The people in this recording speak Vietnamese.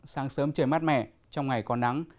sáng sớm trời mát mẻ trong ngày còn nắng